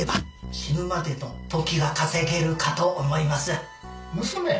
死ぬまでの時が稼げるかと思います・・娘？